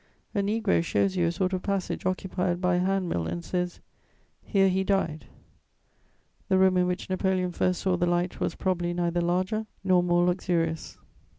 A negro shows you a sort of passage occupied by a hand mill and says: "Here he died." The room in which Napoleon first saw the light was probably neither larger nor more luxurious.